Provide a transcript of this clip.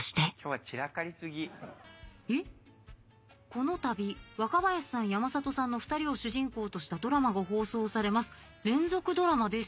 このたび若林さん山里さんの２人を主人公としたドラマが放送されます連続ドラマです。